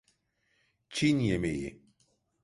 Çin yemeği.